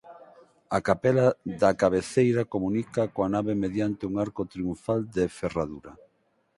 A capela da cabeceira comunica coa nave mediante un arco triunfal de ferradura.